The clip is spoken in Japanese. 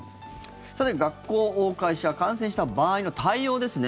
さて、学校、会社感染した場合の対応ですね。